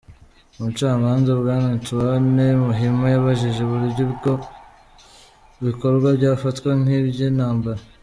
Umucamanza Bwana Antoine Muhima yabajije uburyo ibyo bikorwa byafatwa nk’iby’intambara.